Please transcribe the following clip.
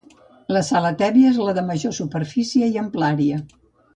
La sala tèbia és la de major superfície i amplària.